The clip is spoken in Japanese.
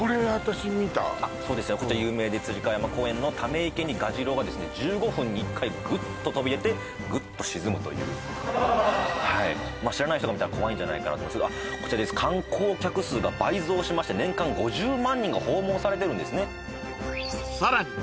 そうですねこちら有名で辻川山公園のため池にガジロウが１５分に１回グッと飛び出てグッと沈むという知らない人が見たら怖いんじゃないかなと思うんですけど観光客数が倍増しまして年間５０万人が訪問されてるんですね